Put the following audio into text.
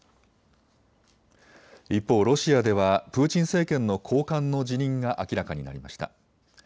一方、ロシアではプーチン政権の高官の辞任が明らかになりました。